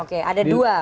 oke ada dua